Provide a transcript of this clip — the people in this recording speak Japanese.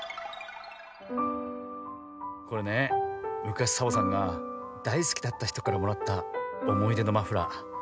これねむかしサボさんがだいすきだったひとからもらったおもいでのマフラー。